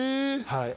はい。